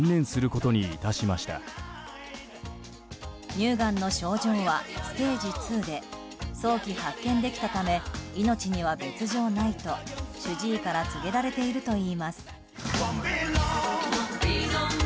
乳がんの症状はステージ２で早期発見できたため命には別条ないと主治医から告げられているといいます。